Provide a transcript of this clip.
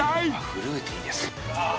フルーティーですね。